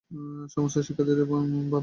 সমস্ত শিক্ষার্থী মাদ্রাসার বাসিন্দা।